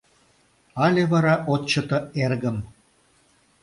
Але вара от чыте, эргым?»